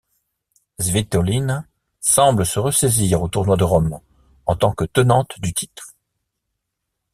Svitolina semble se ressaisir au tournoi de Rome en tant que tenante du titre.